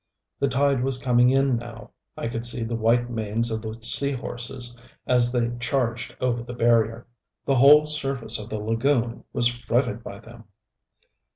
The tide was coming in now: I could see the white manes of the sea horses as they charged over the barrier. The whole surface of the lagoon was fretted by them.